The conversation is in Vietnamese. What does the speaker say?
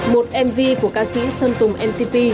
một mv của ca sĩ sơn tùng mtp